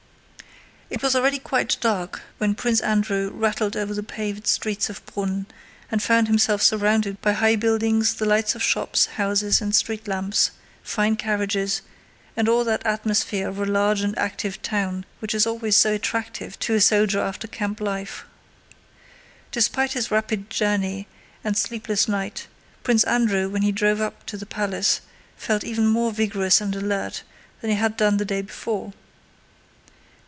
It was already quite dark when Prince Andrew rattled over the paved streets of Brünn and found himself surrounded by high buildings, the lights of shops, houses, and street lamps, fine carriages, and all that atmosphere of a large and active town which is always so attractive to a soldier after camp life. Despite his rapid journey and sleepless night, Prince Andrew when he drove up to the palace felt even more vigorous and alert than he had done the day before.